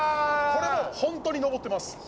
「これも本当に登ってます」